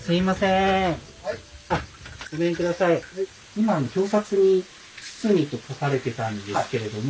今表札に堤と書かれてたんですけれども。